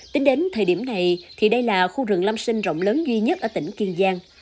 tính đến thời điểm này thì đây là khu rừng lâm sinh rộng lớn duy nhất ở tỉnh kiên giang